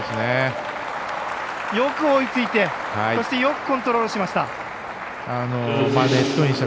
よく追いついて、そしてよくコントロールしました。